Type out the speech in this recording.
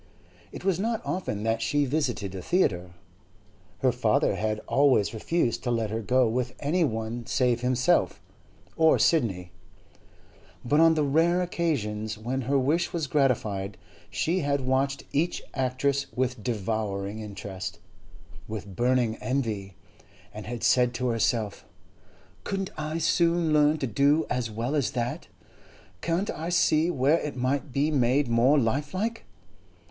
It was not often that she visited a theatre (her father had always refused to let her go with any one save himself or Sidney), but on the rare occasions when her wish was gratified, she had watched each actress with devouring interest, with burning envy, and had said to herself, 'Couldn't I soon learn to do as well as that? Can't I see where it might be made more lifelike?